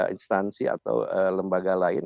instansi atau lembaga lain